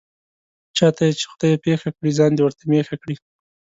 چاته یې چې خدای پېښه کړي، ځان دې ورته مېښه کړي.